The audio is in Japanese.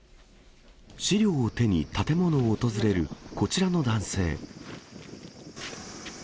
資料を手に、建物を訪れる、こちらの男性。